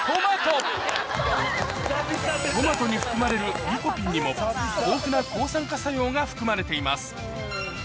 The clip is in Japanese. トマトに含まれるリコピンにも豊富な抗酸化作用が含まれています